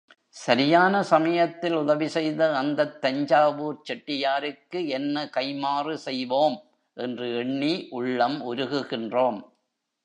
சரியான சமயத்தில் உதவி செய்த அந்தத் தஞ்சாவூர்ச் செட்டியாருக்கு என்ன கைம்மாறு செய்வோம்! என்று எண்ணி உள்ளம் உருகுகின்றோம்.